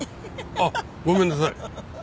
あっごめんなさい。